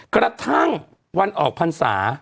กระทั่งวันออกพรรษา